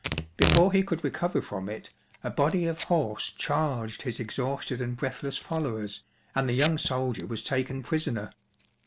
Before he could recover from it, a body of horse chai^ged his exhausted and breath less followers, and the young soldier was taken prisoner.